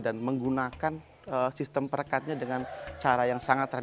dan menggunakan sistem perekatnya dengan cara yang sangat terbaik